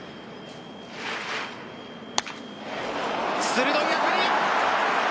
鋭い当たり。